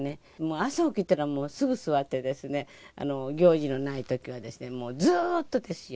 朝起きたら、すぐ座って、行事のないときはですね、もうずっとですよ。